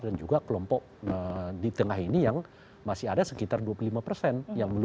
dan juga kelompok di tengah ini yang masih ada sekitar dua puluh lima persen